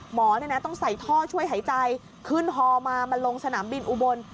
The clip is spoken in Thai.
หมอต้องใส่ท่อช่วยหายใจขึ้นฮอมามาลงสนามบินอุบล